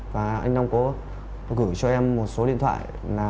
và anh long có gửi cho em một số điện thoại